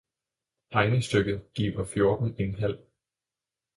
regnestykket giver fjorten en halv